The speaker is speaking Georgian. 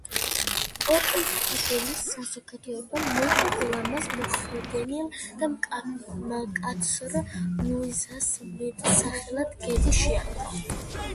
კოპენჰაგენის საზოგადოებამ მეტად ლამაზ, მოხდენილ და მკაცრ ლუიზას მეტსახელად „გედი“ შეარქვა.